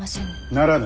ならぬ。